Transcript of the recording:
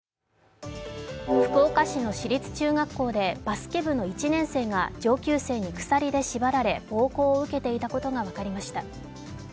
福岡市の私立中学校でバスケ部の１年生が上級生に鎖で縛られ暴行を受けていたことが分かりました。